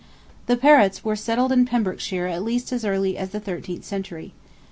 The Perrots were settled in Pembrokeshire at least as early as the thirteenth century.